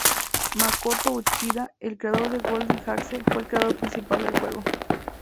Makoto Uchida, el creador de Golden Axe, fue el creador principal del juego.